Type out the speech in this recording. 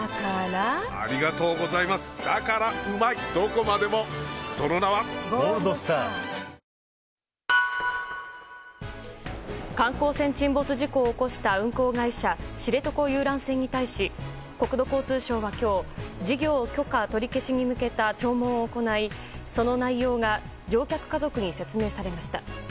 この中日の再開後の初めての試合は観光船沈没事故を起こした運航会社、知床遊覧船に対し国土交通省は今日事業許可取り消しに向けた聴聞を行いその内容が乗客家族に説明されました。